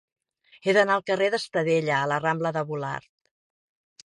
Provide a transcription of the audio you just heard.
He d'anar del carrer d'Estadella a la rambla de Volart.